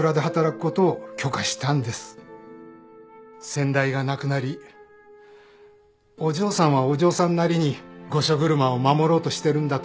先代が亡くなりお嬢さんはお嬢さんなりに御所車を守ろうとしてるんだと思います。